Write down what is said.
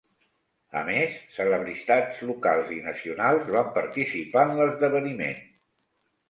A més, celebritats locals i nacionals van participar en l'esdeveniment.